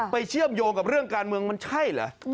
เชื่อมโยงกับเรื่องการเมืองมันใช่เหรอ